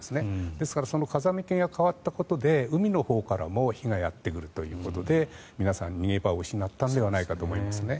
ですから、その風向きが変わったことで海のほうからも火がやってくるということで皆さん逃げ場を失ったのではないかということです。